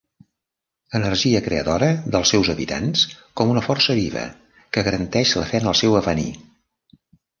Energia creadora dels seus habitants com a força viva que garanteix la fe en l'avenir.